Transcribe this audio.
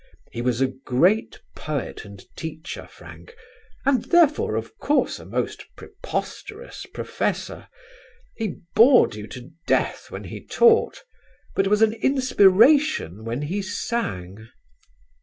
He was a great poet and teacher, Frank, and therefore of course a most preposterous professor; he bored you to death when he taught, but was an inspiration when he sang.